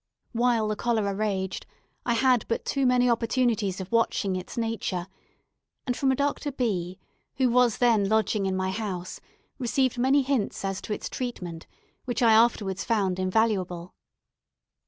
While the cholera raged, I had but too many opportunities of watching its nature, and from a Dr. B , who was then lodging in my house, received many hints as to its treatment which I afterwards found invaluable.